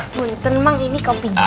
bunten bang ini kopinya